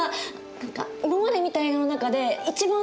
何か今まで見た映画の中で一番感動した！